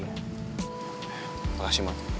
terima kasih boy